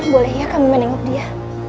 boleh ya kami menengok dia